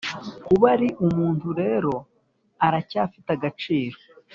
kuba ari umuntu rero aracyafite agaciro,